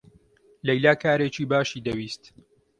لەیلا کارێکی باشی دەویست.